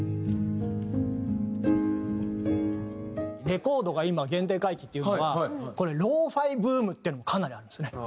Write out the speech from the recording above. レコードが今原点回帰っていうのはＬｏ−Ｆｉブームっていうのもかなりあるんですね。